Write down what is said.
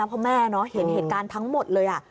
เพราะแม่เห็นเหตุการณ์ทั้งหมดเลย